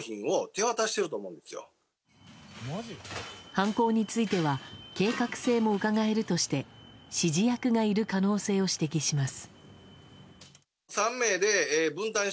犯行については計画性もうかがえるとして指示役がいる可能性を指摘します。